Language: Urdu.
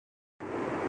کرنے کو بہت کچھ ہے۔